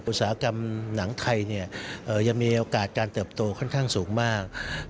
อุตสาหกรรมหนังไทยยังมีโอกาสการเติบโตค่อนข้างสูงมาก